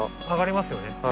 あがりますよね